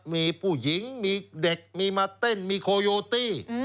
มีผู้หญิงมีเด็กมีมาเต้นมีโคโยตี้